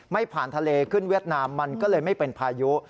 ไม่ผ่านทะเลขึ้นเวียดนามมันก็เลยไม่เป็นพายุ